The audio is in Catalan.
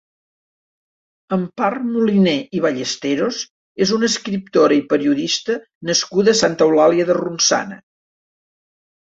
Empar Moliner i Ballesteros és una escriptora i periodista nascuda a Santa Eulàlia de Ronçana.